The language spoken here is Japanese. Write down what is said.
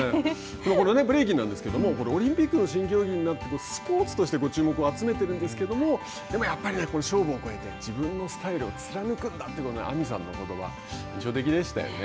これブレイキンなんですけれどもオリンピックの競技になってスポーツとして注目を集めているんですけれどもでもやっぱり勝負を超えて自分のスタイルを貫くなんて亜実さんのことば印象的でしたよね。